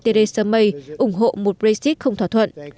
theresa may ủng hộ một brexit không thỏa thuận